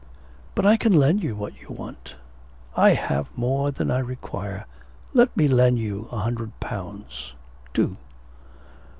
'But I can lend you what you want. I have more than I require. Let me lend you a hundred pounds. Do.'